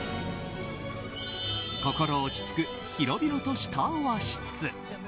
心落ち着く、広々とした和室。